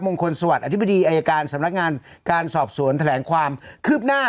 มงคลสวัสดิอธิบดีอายการสำนักงานการสอบสวนแถลงความคืบหน้า